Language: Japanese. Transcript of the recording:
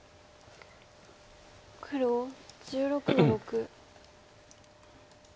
黒１６の六。